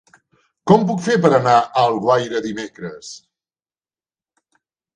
Com ho puc fer per anar a Alguaire dimecres?